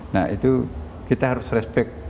nah itu kita harus respect